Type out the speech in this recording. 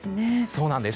そうなんです。